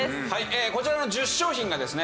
こちらの１０商品がですね